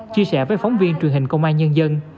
chia sẻ với phóng viên truyền hình công an nhân dân